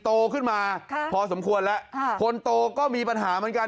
โตขึ้นมาพอสมควรแล้วคนโตก็มีปัญหาเหมือนกัน